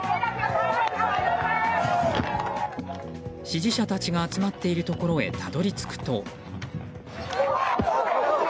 支持者たちが集まっているところへたどり着くと。